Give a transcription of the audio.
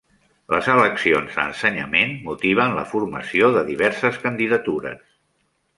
Les eleccions a Ensenyament motiven la formació de diverses candidatures